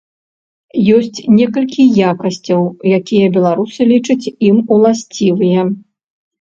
Ёсць некалькі якасцяў, якія беларусы лічаць ім уласцівыя.